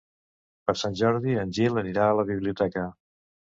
Per Sant Jordi en Gil anirà a la biblioteca.